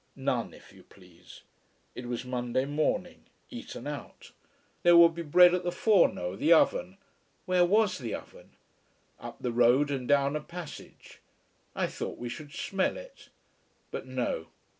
None, if you please. It was Monday morning, eaten out. There would be bread at the forno, the oven. Where was the oven? Up the road and down a passage. I thought we should smell it. But no.